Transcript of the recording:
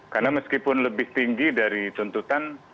karena meskipun lebih tinggi dari tuntutan